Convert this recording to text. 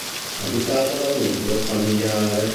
Abitata da un nucleo famigliare.